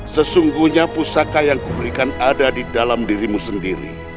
sesungguhnya pusaka yang kuberikan ada di dalam dirimu sendiri